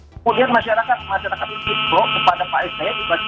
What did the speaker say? kemudian masyarakat masyarakat itu dipro kepada pak pssi